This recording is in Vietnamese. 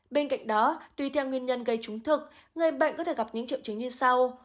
bên cạnh đó tùy theo nguyên nhân gây trúng thực người bệnh có thể gặp những triệu chứng như sau